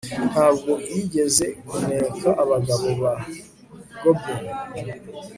Ntabwo yigeze kuneka abagabo ba goblin